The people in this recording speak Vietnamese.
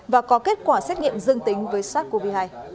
và có kết quả xét nghiệm dương tính với sars cov hai